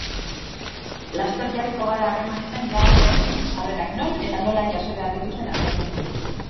Laster jarriko gara harremanetan irabazleekin sarrerak non eta nola jaso behar dituzten azaltzeko.